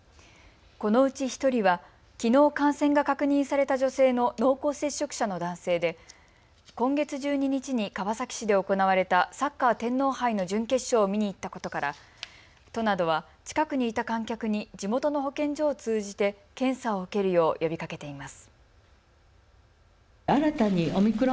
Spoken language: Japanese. このうち１人はきのう感染が確認された女性の濃厚接触者の男性で今月１２日に川崎市で行われたサッカー天皇杯の準決勝を見に行ったことから都などは近くにいた観客に地元の保健所を通じて検査を受けるよう呼びかけています。